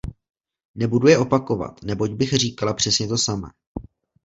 Nebudu je opakovat, neboť bych říkala přesně to samé.